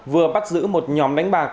vừa bắt giữ một nhóm đánh bạc